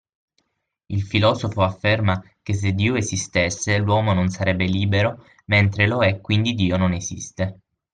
Il filosofo afferma che se Dio esistesse l'uomo non sarebbe libero mentre lo è quindi Dio non esiste.